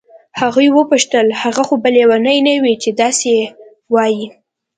هغې وپوښتل هغه خو به لیونی نه وي چې داسې وایي.